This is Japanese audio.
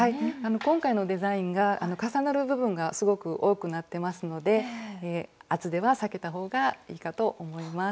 今回のデザインが重なる部分がすごく多くなってますので厚手は避けた方がいいかと思います。